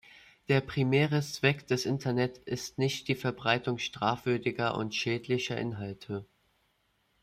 Der primäre Zweck des Internet ist nicht die Verbreitung strafwürdiger und schädlicher Inhalte.